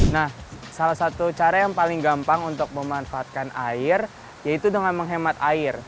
nah salah satu cara yang paling gampang untuk memanfaatkan air yaitu dengan menghemat air